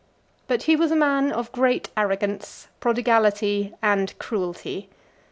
But he was a man of great arrogance, prodigality, and cruelty.